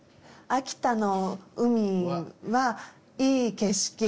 「秋田の海はいい景色」